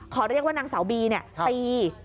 เรียกว่านางสาวบีตี